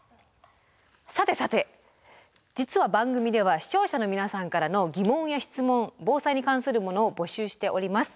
さてさて実は番組では視聴者の皆さんからの疑問や質問防災に関するものを募集しております。